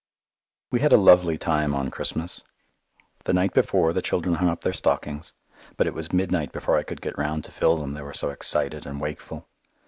We had a lovely time on Christmas. The night before the children hung up their stockings, but it was midnight before I could get round to fill them, they were so excited and wakeful.